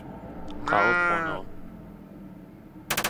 قاوە بخۆنەوە.